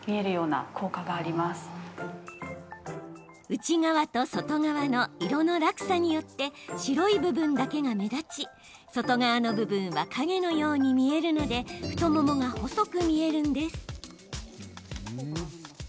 内側と外側の色の落差によって白い部分だけが目立ち外側の部分は影のように見えるので太ももが細く見えるんです。